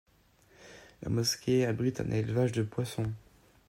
La mosquée abrite un élevage de poissons.